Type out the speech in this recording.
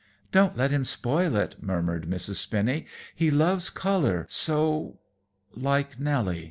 "Don't let him spoil it," murmured Mrs. Spinny. "He loves color so like Nelly."